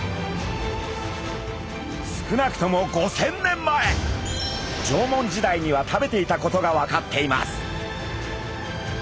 少なくとも５，０００年前縄文時代には食べていたことが分かっています。